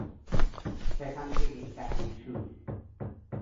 সেখান থেকেই কাহিনীর শুরু।